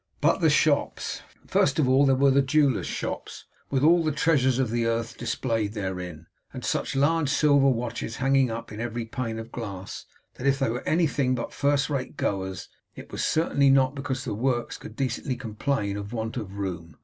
But the shops. First of all there were the jewellers' shops, with all the treasures of the earth displayed therein, and such large silver watches hanging up in every pane of glass, that if they were anything but first rate goers it certainly was not because the works could decently complain of want of room.